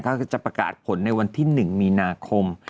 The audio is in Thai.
ก็คือจะประกาศผลในวันที่๑มีนาคม